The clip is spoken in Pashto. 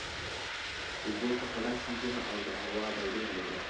د اوبو څخه ډک سیندونه او د هوا ډولونه لري.